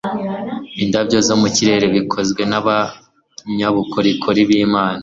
indabyo zo mu kirere; bikozwe n'abanyabukorikori b'imana